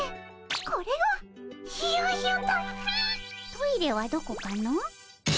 トイレはどこかの？